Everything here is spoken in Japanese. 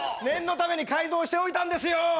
念のために改造しておいたんですよ！